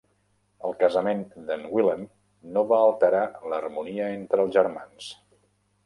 El casament d'en Wilhelm no va alterar l'harmonia entre els germans.